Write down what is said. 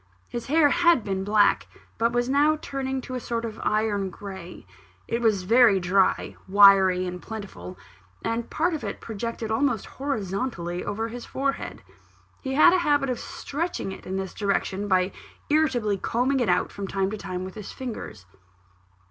His hair had been black, but was now turning to a sort of iron grey; it was very dry, wiry, and plentiful, and part of it projected almost horizontally over his forehead. He had a habit of stretching it in this direction, by irritably combing it out, from time to time, with his fingers.